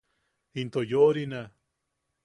Into yo’orina.